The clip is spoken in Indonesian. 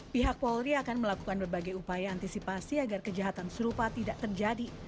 pihak polri akan melakukan berbagai upaya antisipasi agar kejahatan serupa tidak terjadi